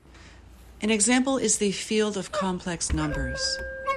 An example is the field of complex numbers.